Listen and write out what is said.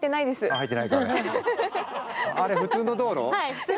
あれ、普通の道路？